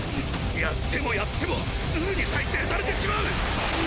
やってもやってもすぐに再生されてしまう！